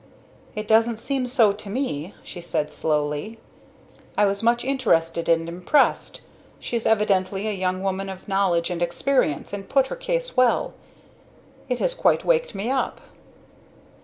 "It doesn't seem so to me," she said slowly, "I was much interested and impressed. She is evidently a young woman of knowledge and experience, and put her case well. It has quite waked me up."